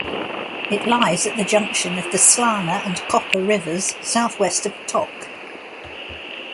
It lies at the junction of the Slana and Copper rivers, southwest of Tok.